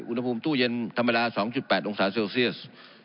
อุณหภูมิตู้เย็นธรรมดา๒๘องศาเซลเซียส